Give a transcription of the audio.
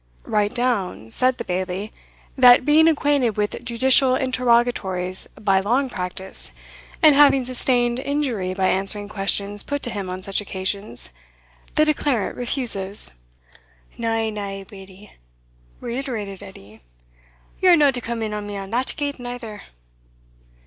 "Write down," said the Bailie, "that, being acquainted with judicial interrogatories by long practice, and having sustained injury by answering questions put to him on such occasions, the declarant refuses." "Na, na, Bailie," reiterated Edie, "ye are no to come in on me that gait neither."